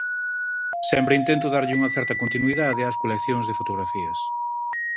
Sempre intento darlle unha certa continuidade ás coleccións de fotografías.